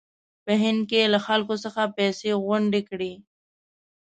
په هند کې یې له خلکو څخه پیسې غونډې کړې.